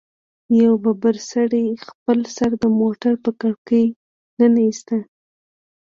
يوه ببر سري خپل سر د موټر په کړکۍ ننه ايست.